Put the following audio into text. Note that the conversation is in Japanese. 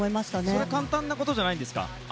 それは簡単なことじゃないんですか。